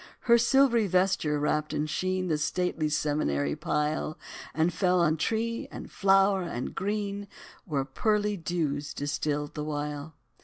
Her silvery vesture wrapped in sheen The stately seminary pile, And fell on tree, and flower, and green, Where pearly dews distilled the while.